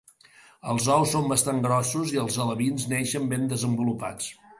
Els ous són bastant grossos i els alevins neixen ben desenvolupats.